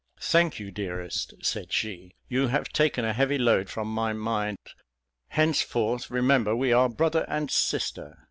"Thank you, dearest," said she: "you have taken a heavy load from my mind: henceforth remember we are brother and sister.